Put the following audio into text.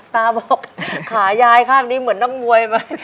ตาบอกขายายข้างนี้เหมือนนักมวยไหม